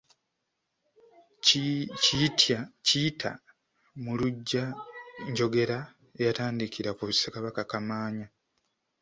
Kiyiyta mu luggya njogera eyatandikira ku Ssekabaka Kamaanya.